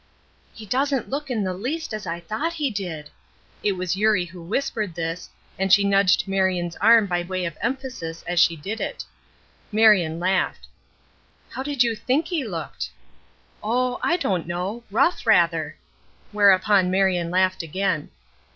"He doesn't look in the least as I thought he did." It was Eurie who whispered this, and she nudged Marion's arm by way of emphasis as she did it. Marion laughed. "How did you think he looked?" "Oh, I don't know rough, rather." Whereupon Marion laughed again.